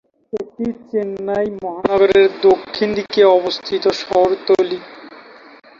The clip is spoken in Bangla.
একটি চেন্নাই মহানগরের দক্ষিণ দিকে অবস্থিত শহরতলি।